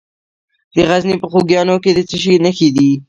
د غزني په خوږیاڼو کې د څه شي نښې دي؟